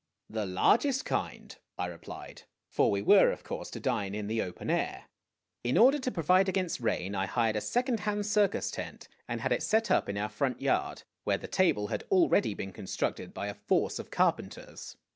"The largest kind," I replied, for we were of course to dine in the open air. In order to provide against rain, I hired a second hand circus tent, and had it set up in our front yard, where the table had already been constructed by a force of carpenters.